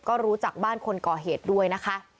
ก็รู้จักบ้านคนก่อเหตุด้วยนะคะ